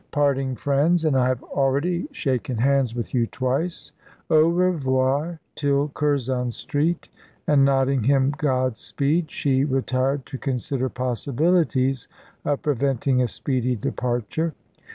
"Parting friends, and I have already shaken hands with you twice. Au revoir, till Curzon Street," and nodding him God speed, she retired to consider possibilities of preventing a speedy departure.